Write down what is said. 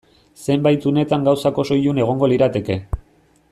Zenbait unetan gauzak oso ilun egongo lirateke.